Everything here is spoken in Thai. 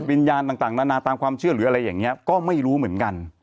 วิญญาณต่างนานาตามความเชื่อหรืออะไรอย่างนี้ก็ไม่รู้เหมือนกัน